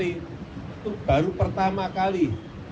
itu baru pertama kali